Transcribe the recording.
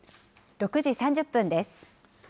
６時３０分です。